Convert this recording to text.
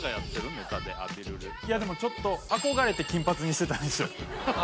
ネタででもちょっと憧れて金髪にしてたんですよ